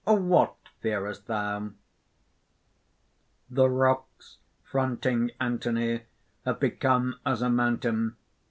What fearest thou?" (_The rocks fronting Anthony have become as a mountain.